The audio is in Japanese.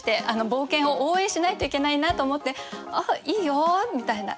冒険を応援しないといけないなと思って「あっいいよ」みたいな。